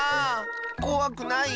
こわくない？